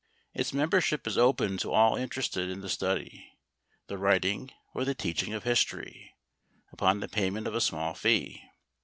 Its membership is open to all interested in the study, the writing, or the teaching of history, upon the payment of a small fee.